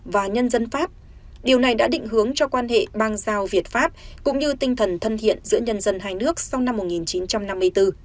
và nhân dân pháp điều này đã định hướng cho quan hệ bang giao việt pháp cũng như tinh thần thân thiện giữa nhân dân hai nước sau năm một nghìn chín trăm năm mươi bốn